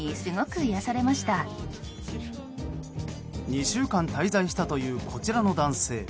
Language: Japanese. ２週間滞在したというこちらの男性。